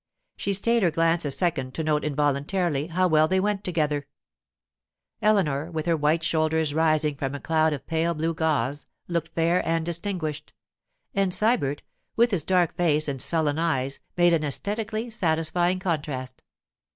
She stayed her glance a second to note involuntarily how well they went together. Eleanor, with her white shoulders rising from a cloud of pale blue gauze, looked fair and distinguished; and Sybert, with his dark face and sullen eyes, made an esthetically satisfying contrast.